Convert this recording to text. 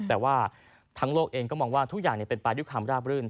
แต่ว่าทั้งโลกเองก็มองว่าทุกอย่างเป็นไปด้วยความราบรื่น